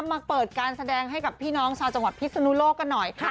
มาเปิดการแสดงให้กับพี่น้องชาวจังหวัดพิศนุโลกกันหน่อยค่ะ